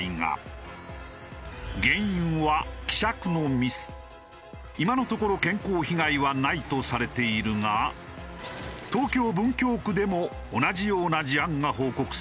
原因は今のところ健康被害はないとされているが東京文京区でも同じような事案が報告されている。